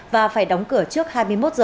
và phải đóng cửa trước hai mươi một h